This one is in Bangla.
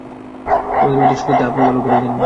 আমাদের উদ্দেশ্য কি, তা আপনি ভাল করেই জানেন।